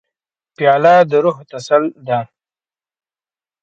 پیاله د روح تسل ده.